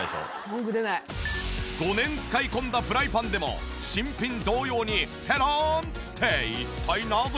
５年使い込んだフライパンでも新品同様にペロンって一体なぜ？